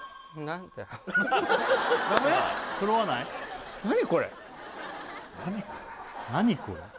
「何これ？」